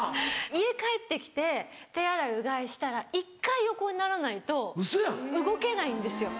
家帰って来て手洗いうがいしたら１回横にならないと動けないんですよ。